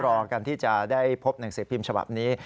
รอกันที่จะได้พบหนังสือพิมพ์ฉบับนี้